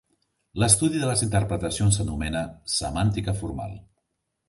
L'estudi de les interpretacions s'anomena "semàntica formal".